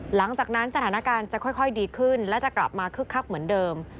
หลังจากนั้นสถานการณ์จะค่อยดีขึ้นและจะกลับมาคึกคักเหมือนเดิม